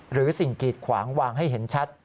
หรือสิ่งกีดขวางวางให้เห็นชัด